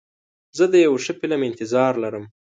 زه د یو ښه فلم انتظار لرم.